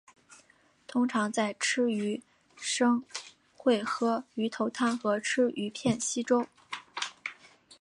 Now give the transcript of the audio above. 通常在吃鱼生会喝鱼头汤和吃鱼片稀粥。